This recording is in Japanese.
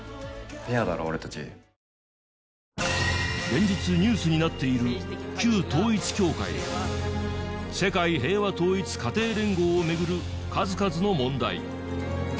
連日ニュースになっている旧統一教会世界平和統一家庭連合を巡る数々の問題。